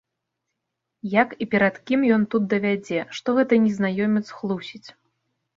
Як і перад кім ён тут давядзе, што гэты незнаёмец хлусіць?